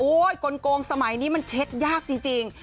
กลงสมัยนี้มันเช็คยากจริง